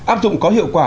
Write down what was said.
áp dụng có hiệu quả